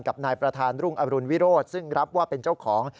กับนายประธานรุ่งอรุณวิโรธซึ่งรับว่าเป็นเจ้าของ